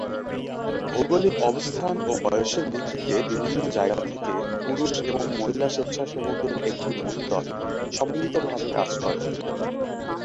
ভৌগোলিক অবস্থান এবং বয়সের ভিত্তিতে বিভিন্ন জায়গা থেকে পুরুষ এবং মহিলা স্বেচ্ছাসেবকদের একটি মূল দল সম্মিলিতভাবে কাজ করে।